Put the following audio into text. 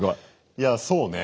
いやそうね。